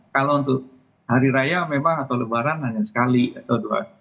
kalau untuk hari raya memang atau lebaran hanya sekali atau dua